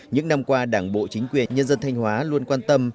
những năm qua đảng bộ chính quyền nhân dân thanh hóa luôn quan tâm